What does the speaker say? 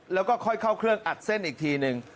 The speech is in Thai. แล้วก็ค่อยเข้าเครื่องอัดเส้นอีกทีนึง